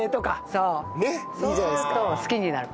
そうすると好きになる。